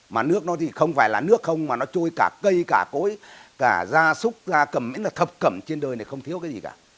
mà nước nó thì không phải là nước không mà nó trôi cả cây cả cối cả da súc da cẩm thập cẩm trên đời này không thiếu cái gì cả